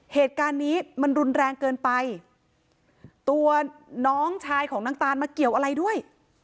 เหตุการณ์นี้มันรุนแรงเกินไปตัวน้องชายของนางตานมาเกี่ยวอะไรด้วย